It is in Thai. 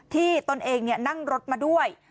ตนเองนั่งรถมาด้วย